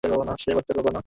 পড়ায় মন নেই।